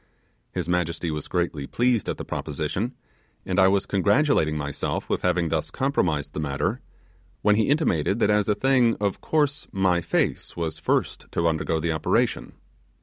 His majesty was greatly pleased at the proposition, and I was congratulating myself with having thus compromised the matter, when he intimated that as a thing of course my face was first to undergo the operation.